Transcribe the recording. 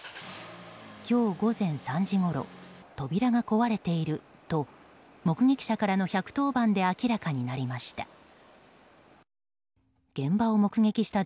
今日午前３時ごろ扉が壊れていると目撃者からの１１０番で明らかになりました。